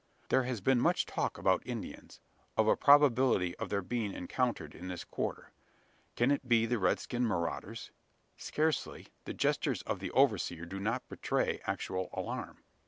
There has been much talk about Indians of a probability of their being encountered in this quarter. Can it be the red skinned marauders? Scarcely: the gestures of the overseer do not betray actual alarm.